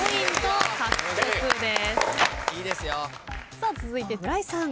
さあ続いて村井さん。